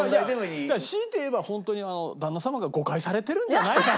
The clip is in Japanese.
強いて言えばホントに旦那様が誤解されてるんじゃないかなと。